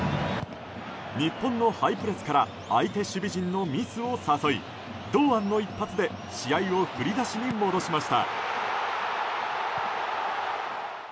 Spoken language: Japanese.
日本のハイプレスから相手守備陣のミスを誘い堂安の一発で試合を振り出しに戻しました。